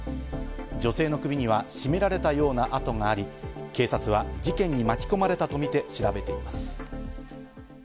女性の首には絞められたような痕があり、警察は事件に巻き込まれたとみて調べています。